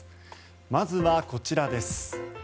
まずはこちらです。